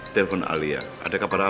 telepon alia ada kabar apa